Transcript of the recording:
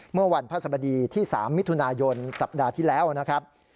เมื่อวันพระสบดีที่๓มิถุนายนสัปดาห์ที่แล้วนะครับ